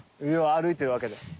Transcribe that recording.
上を歩いてるわけで。